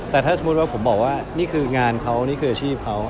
แต่ถ้าสมมุติว่าผมบอกว่านี่คืองานเขานี่คืออาชีพเขา